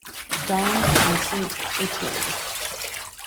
Dawn, and Saint Etienne.